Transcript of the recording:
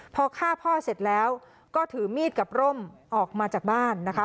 พอฆ่าพ่อเสร็จแล้วก็ถือมีดกับร่มออกมาจากบ้านนะคะ